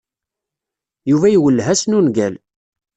Yuba iwelleh-asen ungal.